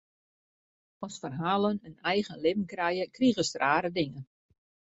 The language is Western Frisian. As ferhalen in eigen libben krije, krigest rare dingen.